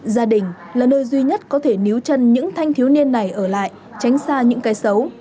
gia đình là nơi duy nhất có thể níu chân những thanh thiếu niên này ở lại tránh xa những cái xấu